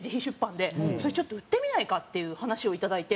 それちょっと売ってみないか？っていう話をいただいて。